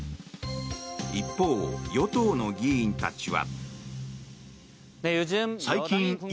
一方、与党の議員たちは。